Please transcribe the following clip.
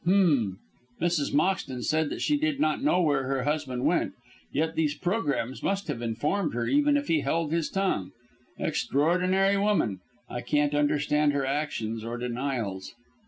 H'm! Mrs. Moxton said that she did not know where her husband went, yet these programmes must have informed her even if he held his tongue. Extraordinary woman! I can't understand her actions or denials."